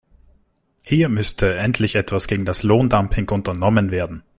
Hier müsste endlich etwas gegen das Lohndumping unternommen werden.